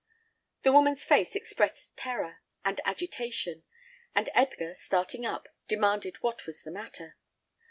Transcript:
The woman's face expressed terror and agitation; and Edgar, starting up, demanded what was the matter.